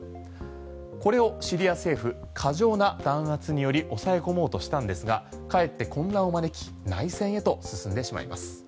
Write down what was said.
これをシリア政府過剰な弾圧により抑え込もうとしたんですがかえって混乱を招き内戦へと進んでしまいます。